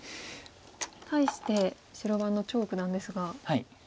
対して白番の張栩九段ですが。